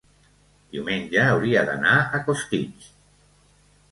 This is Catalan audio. Diumenge hauria d'anar a Costitx.